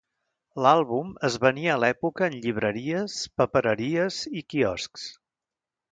L'àlbum es venia a l'època en llibreries, papereries i quioscs.